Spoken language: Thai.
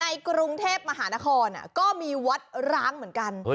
ในกรุงเทพมหานครก็มีวัดร้างเหมือนกัน